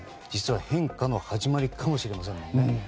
実は変化の始まりかもしれません。